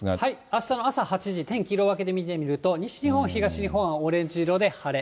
あしたの朝８時、天気、色分けで見てみると、西日本、東日本はオレンジ色で晴れ。